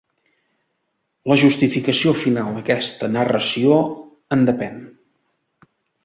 La justificació final d'aquesta narració en depèn.